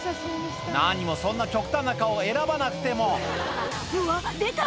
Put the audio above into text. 何もそんな極端な顔選ばなくてもうわ出た！